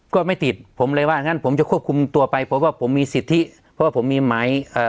ก็ไม่ติดผมเลยว่างั้นผมจะควบคุมตัวไปเพราะว่าผมมีสิทธิเพราะว่าผมมีหมายเอ่อ